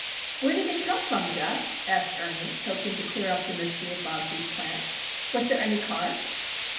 "Where did it come from, Geof?" asked Ernie, hoping to clear up the mystery of Bobsie's plant. "Was there any card?"